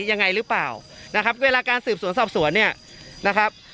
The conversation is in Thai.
ยังไงหรือเปล่านะครับเวลาการสืบสวนสอบสวนเนี่ยนะครับ